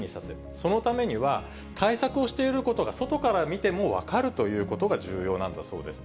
そのためには、対策をしていることが外から見ても分かるということが重要なんだそうです。